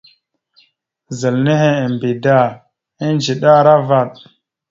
Zal nehe embe da ma, edziɗe aravaɗ.